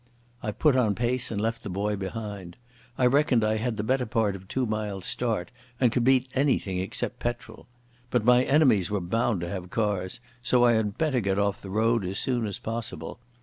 I put on pace and left the boy behind. I reckoned I had the better part of two miles' start and could beat anything except petrol. But my enemies were bound to have cars, so I had better get off the road as soon as possible.